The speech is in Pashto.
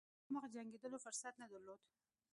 د مخامخ جنګېدلو فرصت نه درلود.